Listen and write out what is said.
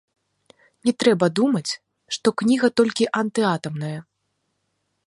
Не трэба думаць, што кніга толькі антыатамная.